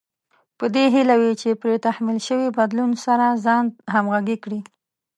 په دې هيله وي چې پرې تحمیل شوي بدلون سره ځان همغږی کړي.